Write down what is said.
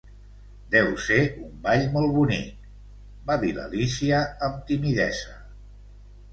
"Deu ser un ball molt bonic", va dir l'Alícia amb timidesa.